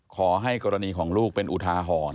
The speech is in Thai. ขอให้กรณีของลูกเป็นอุทาหรณ์